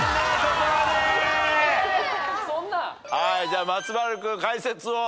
じゃあ松丸君解説を。